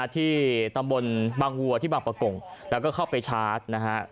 ที่ตำบลบางวัวที่บางประกงแล้วก็เข้าไปชาร์จนะฮะ